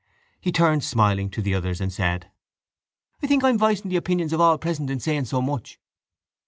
He turned smiling to the others and said: —I think I am voicing the opinions of all present in saying so much.